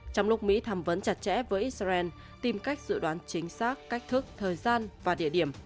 trong lúc mỹ tham vấn chặt chẽ với israel tìm cách dự đoán chính xác cách thức thời gian và địa điểm